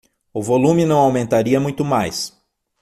O volume não aumentaria muito mais.